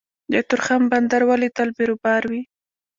د تورخم بندر ولې تل بیروبار وي؟